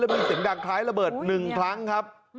แล้วมีเสียงปืนดังคล้ายระเบิดหนึ่งครั้งครับ